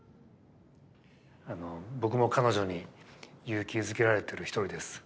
あの僕も彼女に勇気づけられてる一人です。